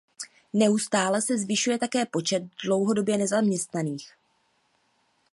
Neustále se zvyšuje také počet dlouhodobě nezaměstnaných.